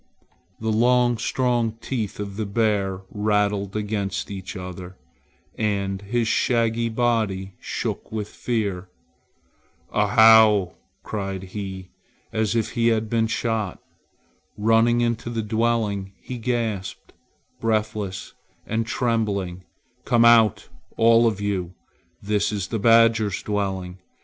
The long strong teeth of the bear rattled against each other, and his shaggy body shook with fear. "Ahow!" cried he, as if he had been shot. Running into the dwelling he gasped, breathless and trembling, "Come out, all of you! This is the badger's dwelling.